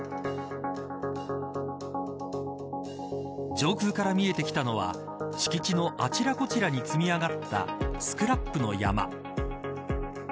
上空から見えてきたのは敷地のあちらこちらに積み上がったスクラップの山。